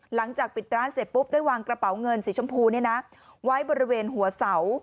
หลังจากปิดร้านเสร็จปุ๊บได้วางกระเป๋าเงินสีชมพูไว้บริเวณหัวเสา